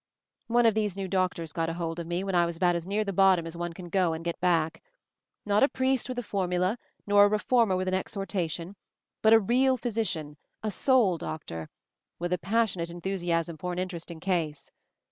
"One of these new doctors got hold of me, when I was about as near the bottom as one can go and get back. Not a priest with a formula, nor a reformer with an exhortation ; but a real physician, a soul doctor, with a passionate enthusiasm for an interesting case.